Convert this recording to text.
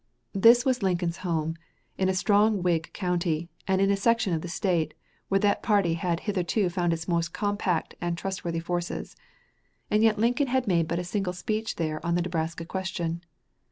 This was Lincoln's home, in a strong Whig county, and in a section of the State where that party had hitherto found its most compact and trustworthy forces. As yet Lincoln had made but a single speech there on the Nebraska question.